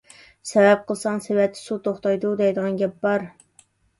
«سەۋەب قىلساڭ سېۋەتتە سۇ توختايدۇ» دەيدىغان گەپ بار.